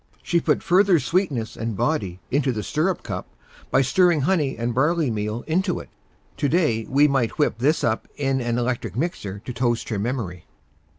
She put further sweetness and body into the stirrup cup by stirring honey and barley meal into it. Today we might whip this up in an electric mixer to toast her memory.